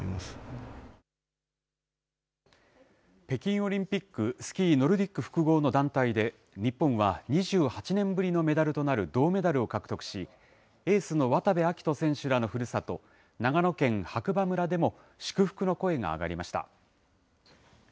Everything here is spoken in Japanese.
北京オリンピック、スキーノルディック複合の団体で、日本は２８年ぶりのメダルとなる銅メダルを獲得し、エースの渡部暁斗選手らのふるさと、長野県白馬村でも祝福の声が上がりました。